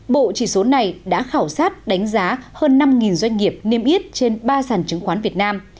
bộ chỉ số này đã khảo sát đánh giá hơn năm doanh nghiệp niêm yết trên ba sản chứng khoán việt nam